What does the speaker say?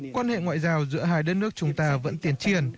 quan hệ ngoại giao giữa hai đất nước chúng ta vẫn tiến triển